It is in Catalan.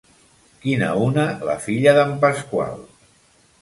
Quina una la filla d'en Pasqual!